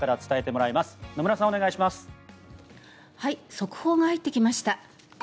速報が入ってきました。